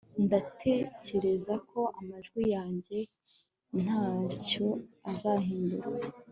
Ndatekereza ko amajwi yanjye ntacyo azahindura